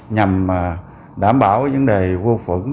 nhằm đảm bảo vấn đề vô phận